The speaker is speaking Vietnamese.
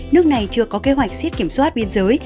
nước này chưa có kế hoạch siết kiểm soát biên giới